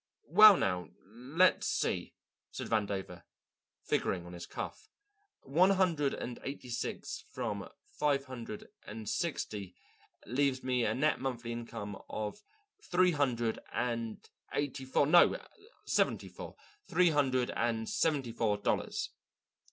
"Well, now, let's see," said Vandover, figuring on his cuff, "one hundred and eighty six from five hundred and sixty leaves me a net monthly income of three hundred and eighty four no, seventy four. Three hundred and seventy four dollars."